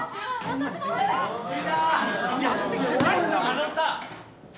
あのさ。